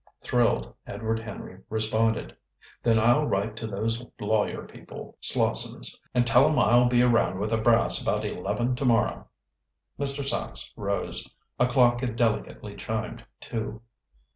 Thrilled, Edward Henry responded: "Then I'll write to those lawyer people, Slossons, and tell 'em I'll be around with the brass about eleven to morrow." Mr. Sachs rose. A clock had delicately chimed two.